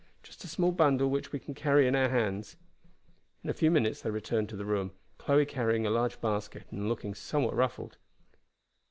Just a small bundle which we can carry in our hands." In a few minutes they returned to the room, Chloe carrying a large basket, and looking somewhat ruffled.